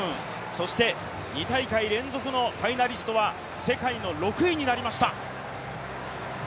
そして２大会連続のファイナリストは世界の６位になりました。